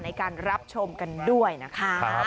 ในการรับชมกันด้วยนะคะ